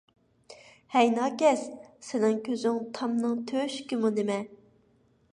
ھەي ناكەس، سېنىڭ كۆزۈڭ تامنىڭ تۆشۈكىمۇ نېمە!